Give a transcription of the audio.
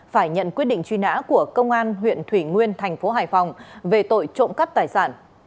phải nhận quyết định truy nã của công an huyện thủy nguyên tp hải phòng về tội trộm cắt tài sản